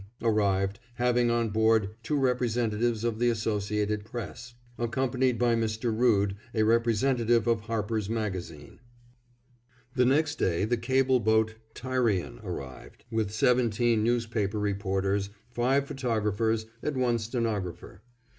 arrived, having on board two representatives of the Associated Press, accompanied by Mr. Rood, a representative of Harper's Magazine. The next day the cable boat Tyrian arrived, with seventeen newspaper reporters, five photographers, and one stenographer.